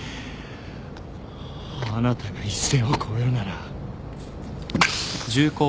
あなたが一線を越えるなら。